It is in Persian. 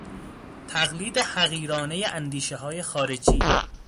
تقلید حقیرانهی اندیشههای خارجی